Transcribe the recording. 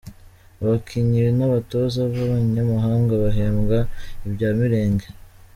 Abakinnyi n’abatoza b’abanyamahanga bahembwa ibya mirenge.